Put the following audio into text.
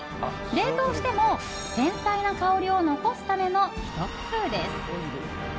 冷凍しても繊細な香りを残すためのひと工夫です。